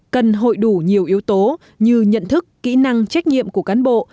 cần hội đủ nhiều yếu tố như nhận thức kỹ năng trách nhiệm của cán bộ